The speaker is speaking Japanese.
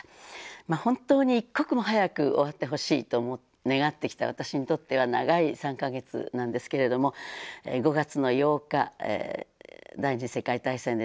まあ本当に一刻も早く終わってほしいと願ってきた私にとっては長い３か月なんですけれども５月の８日第２次世界大戦でドイツが敗北した日。